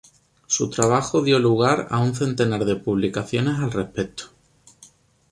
Su trabajo dio lugar a un centenar de publicaciones al respecto.